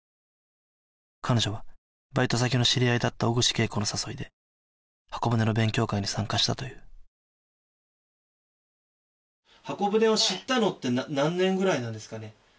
彼女はバイト先の知り合いだった小串恵子の誘いで方舟の勉強会に参加したという方舟を知ったのって何年ぐらいなんですかね？